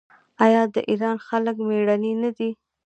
آیا د ایران خلک میړني نه دي؟